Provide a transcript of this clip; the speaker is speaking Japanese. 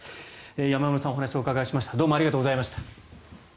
山村さんにお話をお伺いしました。